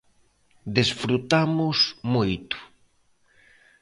Desfrutamos moito.